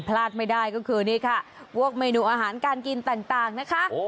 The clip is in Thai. พลาดไม่ได้ก็คือนี่ค่ะพวกเมนูอาหารการกินต่างนะคะ